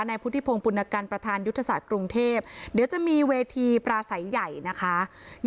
พุทธิพงศ์ปุณกันประธานยุทธศาสตร์กรุงเทพเดี๋ยวจะมีเวทีปราศัยใหญ่นะคะ